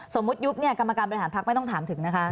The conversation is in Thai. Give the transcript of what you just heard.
ยุบเนี่ยกรรมการบริหารพักไม่ต้องถามถึงนะคะ